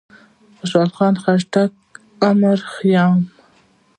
خوشحال خان خټک، عمر خيام،